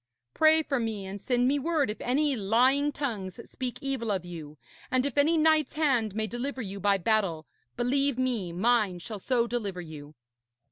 Pray for me, and send me word if any lying tongues speak evil of you, and if any knight's hand may deliver you by battle, believe me mine shall so deliver you.'